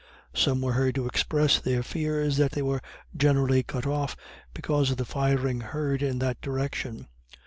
Some were heard to express their fears that they were generally cut off, because of the firing heard in that direction.